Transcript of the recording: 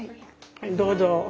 どうぞ。